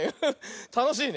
たのしいね。